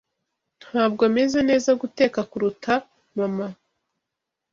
Ntabwo meze neza guteka kuruta mama